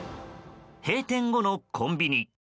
閉店後のコンビニ。